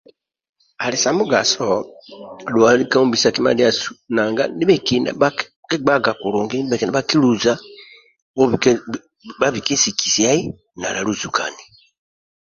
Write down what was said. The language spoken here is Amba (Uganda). Ali sa mugaso dhua lika ombisa kima ndiasu nanga ndibhekina bhakakigbaga kulungi ndibhekina bhakiluza bhabike sikisia nala luzukani